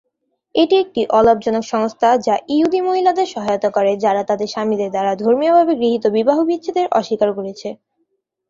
এটি একটি অলাভজনক সংস্থা, যা ইহুদি মহিলাদের সহায়তা করে, যারা তাদের স্বামীদের দ্বারা ধর্মীয়ভাবে গৃহীত বিবাহ বিচ্ছেদ অস্বীকার করেছে।